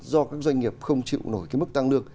do các doanh nghiệp không chịu nổi cái mức tăng lương